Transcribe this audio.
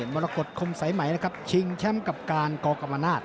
มรกฏคมสายไหมนะครับชิงแชมป์กับการกกรรมนาศ